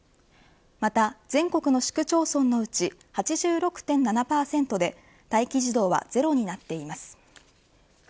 また全国の市区町村のうち８６．７％で待機児童はゼロになっています。